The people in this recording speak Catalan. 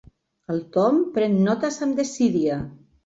El Tom pren notes amb desídia.